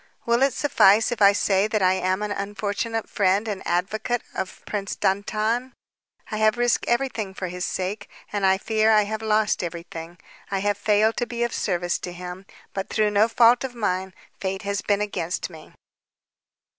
"Will it suffice if I say that I am an unfortunate friend and advocate of Prince Dantan? I have risked everything for his sake and I fear I have lost everything. I have failed to be of service to him, but through no fault of mine. Fate has been against me."